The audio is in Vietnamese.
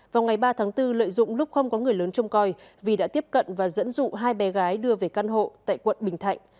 vào ngày ba tháng bốn lợi dụng lúc không có người lớn trông coi vi đã tiếp cận và dẫn dụ hai bé gái đưa về căn hộ tại quận bình thạnh